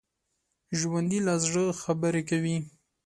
ژوندي له زړه خبرې کوي